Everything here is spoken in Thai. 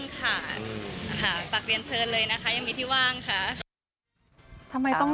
ใช่แล้วก็วันเกิดเบลจัดมิตติ้งค่ะ